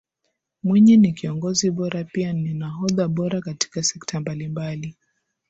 Mwinyi ni kiongozi bora pia ni nahodha bora katika sekta mbalimbali